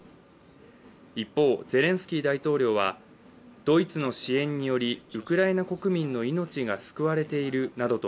一方、ゼレンスキー大統領はドイツの支援によりウクライナ国民の命が救われているなどと